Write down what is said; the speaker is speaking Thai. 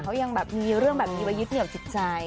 เขายังแบบมีเรื่องแบบนี้ไว้ยึดเหนียวจิตใจ